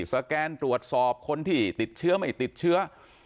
สแกนตรวจสอบคนที่ติดเชื้อไม่ติดเชื้อ